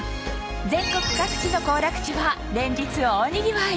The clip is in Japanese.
全国各地の行楽地は連日大にぎわい